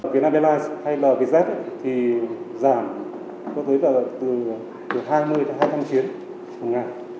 việt nam airlines hay là vietjet thì giảm có tới từ hai mươi hai mươi năm chiến hằng ngày